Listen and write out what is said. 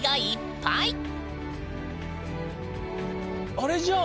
あれじゃん。